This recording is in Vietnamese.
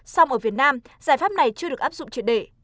song ở việt nam giải pháp này chưa được áp dụng triệt để